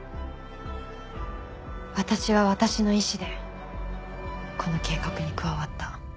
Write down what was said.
私は私の意志でこの計画に加わった。